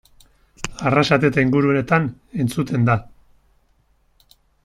Arrasate eta inguruetan entzuten da.